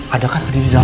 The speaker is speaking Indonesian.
ada kan ade di dalam